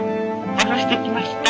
「下ろしてきました」。